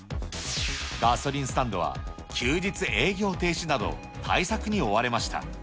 ガソリンスタンドは休日営業停止など、対策に追われました。